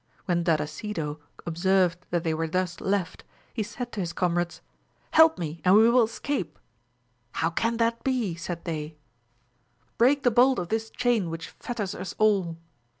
When Dandasido observed that they were thus left, he said to his comrades. Help me, and we will escape. How can that be 1 said they. — 160 AMADIS OF GAUL. Break the bolt of this chain which fetters us all.